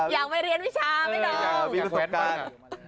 อยากไปเรียนวิชาไม่นอง